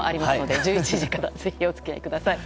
１１時からぜひお付き合いください。